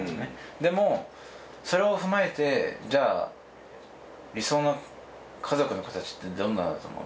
でもそれを踏まえてじゃあ理想の家族の形ってどんなだと思う？